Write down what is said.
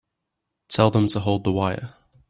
Tell them to hold the wire.